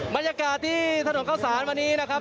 บรรยากาศที่ถนนเข้าสารวันนี้นะครับ